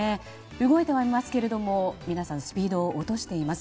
動いてはいますけれども皆さんスピードを落としています。